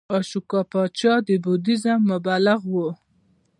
اشوکا پاچا د بودیزم مبلغ و